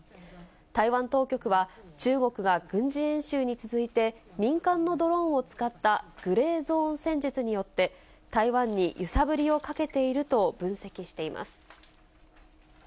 台湾当局は、中国が軍事演習に続いて、民間のドローンを使ったグレーゾーン戦術によって、台湾に揺さぶりをかけていると分析しています。